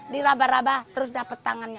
dirabah rabah terus dapat tangannya